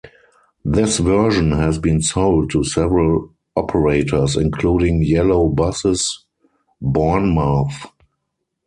This version has been sold to several operators including Yellow Buses, Bournemouth.